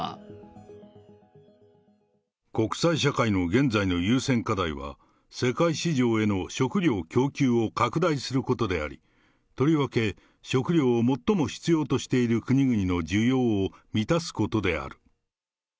国際社会の現在の優先課題は、世界市場への食料供給を拡大することであり、とりわけ、食料を最も必要としている国々の需要を満たすことである。